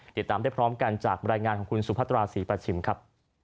ติดตามได้พร้อมกันจากบรรยายงานของคุณสุพัตราศรีประชิมครับ